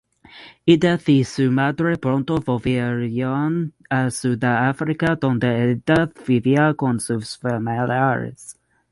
Edith y su madre pronto volvieron a Sudáfrica, donde Edith vivía con sus familiares.